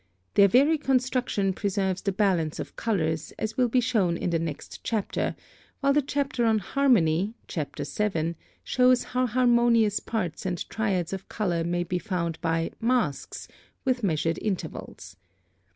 Their very construction preserves the balance of colors, as will be shown in the next chapter, while the chapter on harmony (Chapter VII.) shows how harmonious pairs and triads of color may be found by MASKS with measured intervals.